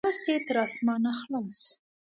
لاس دې تر اسمانه خلاص!